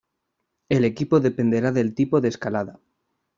El equipo dependerá del tipo de escalada.